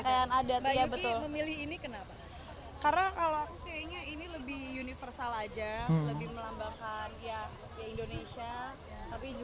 karena bisa dibilang ya yang pinginnya ya netral aja gitu